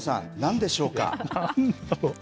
なんだろう。